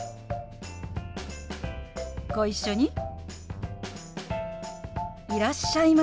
ご一緒に。